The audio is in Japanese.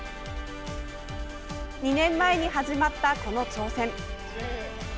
２年前に始まったこの挑戦。